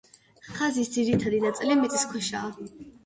ხაზის ძირითადი ნაწილი მიწისქვეშაა.